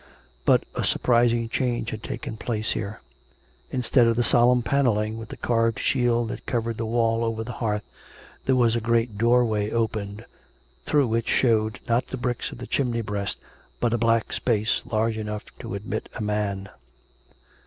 But a surprising change had taken place here. Instead of the solemn panelling, with the carved shield that cov ered the wall over the hearth, there was a great doorway opened, through which showed, not the bricks of the chim ney breast, but a black space large enough to admit a man.